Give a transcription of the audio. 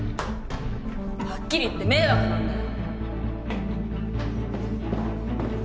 はっきり言って迷惑なんだよ